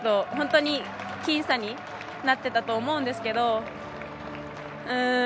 本当に僅差になっていたと思うんですけど。